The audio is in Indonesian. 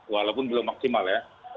walaupun belum maksimal ya